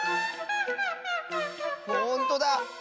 ほんとだ！